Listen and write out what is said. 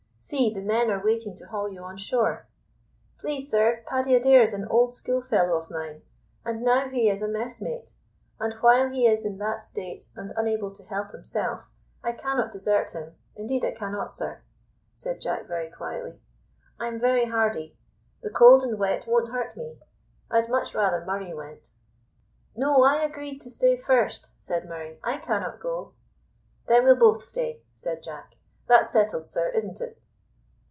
"See, the men are waiting to haul you on shore." "Please, sir, Paddy Adair is an old schoolfellow of mine, and now he is a messmate; and while he is in that state and unable to help himself I cannot desert him, indeed I cannot, sir," said Jack very quietly. "I'm very hardy; the cold and wet won't hurt me. I'd much rather Murray went." "No; I agreed to stay first," said Murray; "I cannot go." "Then we'll both stay," said Jack. "That's settled, sir, isn't it?"